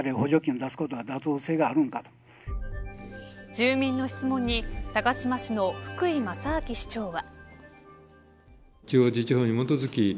住民の質問に高島市の福井正明市長は。